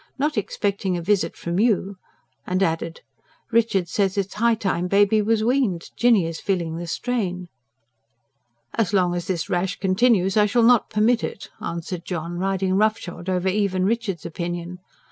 "Not expecting a visit from you." And added: "Richard says it is high time Baby was weaned. Jinny is feeling the strain." "As long as this rash continues I shall not permit it," answered John, riding rough shod over even Richard's opinion.